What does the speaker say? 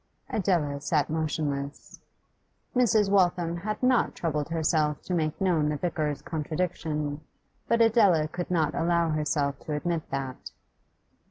Adela sat motionless. Mrs. Waltham had not troubled herself to make known the vicar's contradiction. But Adela could not allow herself to admit that.